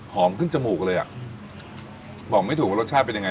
ขึ้นจมูกเลยอ่ะบอกไม่ถูกว่ารสชาติเป็นยังไง